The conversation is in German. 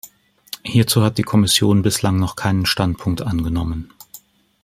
Hierzu hat die Kommission bislang noch keinen Standpunkt angenommen.